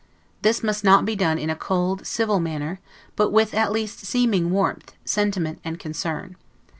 This must not be done in a cold, civil manner, but with at least seeming warmth, sentiment, and concern.